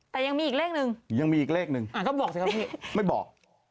แต่ยังมีอีกเลขหนึ่งยังมีอีกเลขหนึ่งก็บอกสิครับพี่ไม่บอก